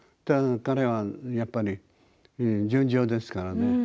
彼はやっぱり純情ですからね。